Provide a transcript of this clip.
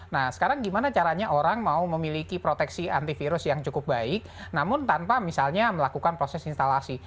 nah sekarang gimana caranya orang mau memiliki proteksi antivirus yang cukup baik namun tanpa misalnya melakukan proses instalasi